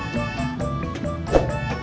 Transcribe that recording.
ya enggak ya